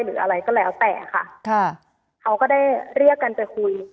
หรืออะไรก็แล้วแต่ค่ะเขาก็ได้เรียกกันไปคุย